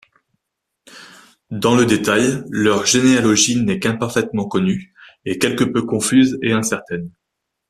Dans le détail, leur généalogie n'est qu'imparfaitement connue, et quelque peu confuse et incertaine.